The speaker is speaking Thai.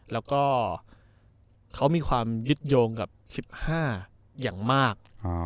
แล้วก็เขามีความยึดโยงกับ๑๕อย่างมาก